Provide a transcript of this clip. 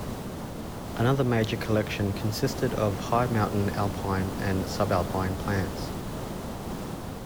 Another major collection consisted of high-mountain alpine and subalpine plants.